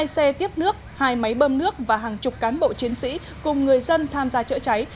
hai xe tiếp nước hai máy bơm nước và hàng chục cán bộ chiến sĩ cùng người dân tham gia chữa cháy